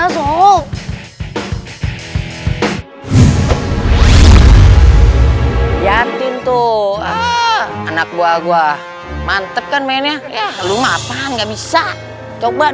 jatin tuh anak gua gua mantep kan mainnya